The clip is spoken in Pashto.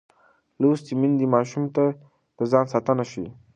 لوستې میندې ماشوم ته د ځان ساتنه ښيي.